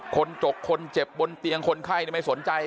จกคนเจ็บบนเตียงคนไข้ไม่สนใจ